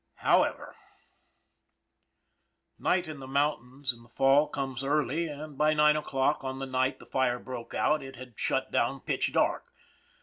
However Night in the mountains in the Fall comes early, and by nine o'clock on the night the fire broke out it had shut down pitch dark.